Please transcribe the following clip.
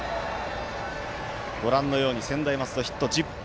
ご覧のように専大松戸ヒット１０本。